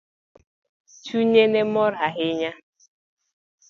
Chunye ne mor ahinya.